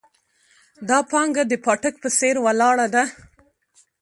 دا پانګه د پاټک په څېر ولاړه ده.